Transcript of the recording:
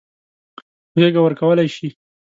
غېږه ورکولای شي.